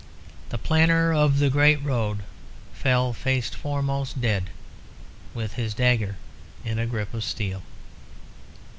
The planner of the Great Road fell face foremost dead, with his dagger in a grip of steel.